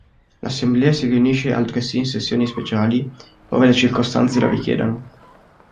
L'assemblea si riunisce altresì in sessioni speciali ove le circostanze lo richiedano.